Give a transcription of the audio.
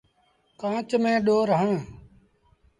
کآݩچ ميݩ ڏور هڻ۔